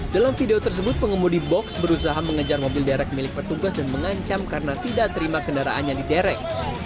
dalam video tersebut pengemudi box berusaha mengejar mobil derek milik petugas dan mengancam karena tidak terima kendaraannya di derek